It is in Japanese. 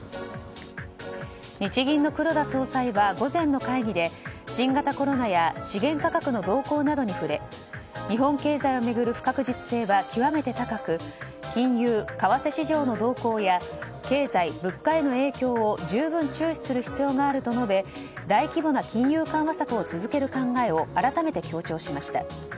日銀の黒田総裁は午前の会議で新型コロナや資源価格の動向などに触れ日本経済を巡る不確実性は極めて高く金融、為替市場の動向や経済、物価への影響を十分注視する必要があると述べ大規模な金融緩和策を続ける考えを改めて強調しました。